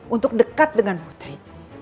untuk dekat dengan putri